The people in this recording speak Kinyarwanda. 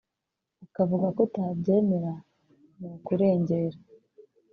ukavuga ko utabyemera ni ukurengera